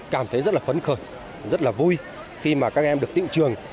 cảm thấy rất là phấn khởi rất là vui khi mà các em được tự trường